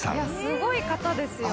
「すごい方ですよ」